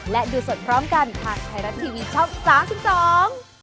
และดูสดพร้อมกันถ้าใครรับทีวีช่อง๓๒